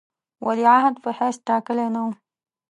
ولیعهد په حیث ټاکلی نه وو.